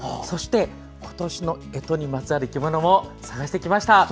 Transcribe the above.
そして、今年のえとにまつわる生き物も探してきました。